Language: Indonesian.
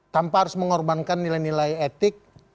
tanpa harus mengorbankan nilai nilai etik